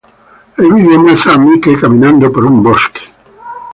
El video muestra a Mike caminando por un bosque.